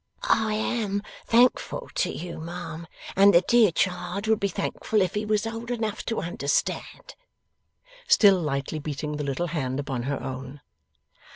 'I am thankful to you, ma'am, and the dear child would be thankful if he was old enough to understand.' Still lightly beating the little hand upon her own.